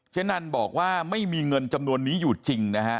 นันบอกว่าไม่มีเงินจำนวนนี้อยู่จริงนะฮะ